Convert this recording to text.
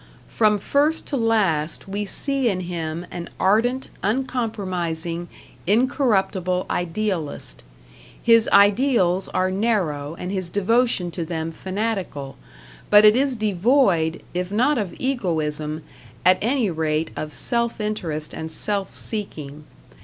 From first to last we see in him an ardent, uncompromising, incorruptible idealist. His ideals are narrow, and his devotion to them fanatical; but it is devoid, if not of egoism, at any rate of self interest and self seeking.